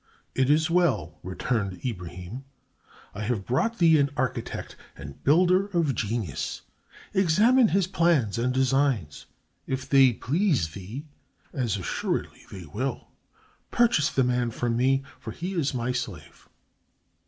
"It is well," returned Ibrahim. "I have brought thee an architect and builder of genius. Examine his plans and designs. If they please thee, as assuredly they will, purchase the man from me, for he is my slave."